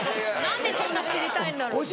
何でそんな知りたいんだろう。